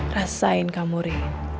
rasain kamu riri